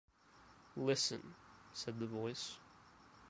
"Listen," said the Voice.